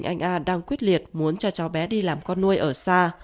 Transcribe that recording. anh a đang quyết liệt muốn cho cháu bé đi làm con nuôi ở xa